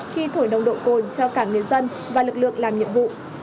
khi thổi nồng độ cồn cho cả người dân và lực lượng làm nhiệm vụ